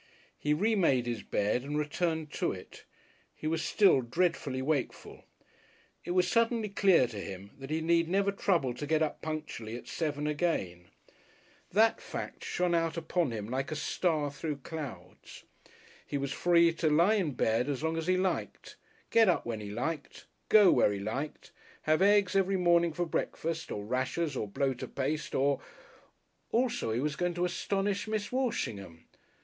He remade his bed and returned to it. He was still dreadfully wakeful. It was suddenly clear to him that he need never trouble to get up punctually at seven again. That fact shone out upon him like a star through clouds. He was free to lie in bed as long as he liked, get up when he liked, go where he liked, have eggs every morning for breakfast or rashers or bloater paste or.... Also he was going to astonish Miss Walshingham....